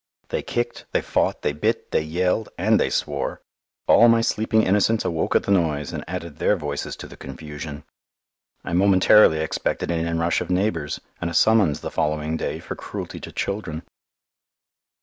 They kicked, they fought, they bit, they yelled and they swore! All my sleeping innocents awoke at the noise and added their voices to the confusion. I momentarily expected an in rush of neighbours, and a summons the following day for cruelty to children.